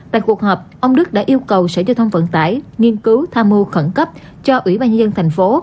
tại cuộc họp ông đức đã yêu cầu sở giao thông vận tải nghiên cứu tha mô khẩn cấp cho ủy ban nhân dân tp hcm